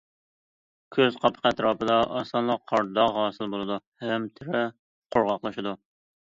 كۆز قاپىقى ئەتراپىدا ئاسانلا قارا داغ ھاسىل بولىدۇ ھەم تېرە قۇرغاقلىشىدۇ.